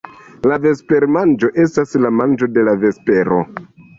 La vespermanĝo estas la manĝo de la vespero.